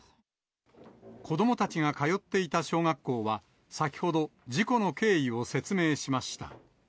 子どもたちが通っていた小学校は、先ほど、事故の経緯を説明しました。